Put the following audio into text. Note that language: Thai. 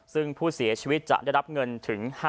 ซึ่งผู้เสียชีวิตจะได้รับเงินถึง